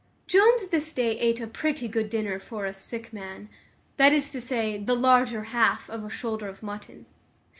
Jones this day eat a pretty good dinner for a sick man, that is to say, the larger half of a shoulder of mutton.